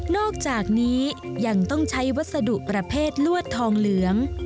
อกจากนี้ยังต้องใช้วัสดุประเภทลวดทองเหลือง